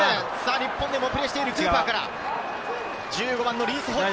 日本でもプレーしているクーパーからリース・ホッジ。